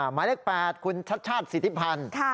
หมายเลข๘คุณชัด๔๐๐๐๐ค่ะ